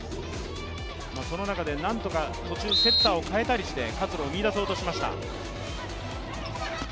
その中で何とか途中、セッターを代えたりして活路を見いだそうとしました。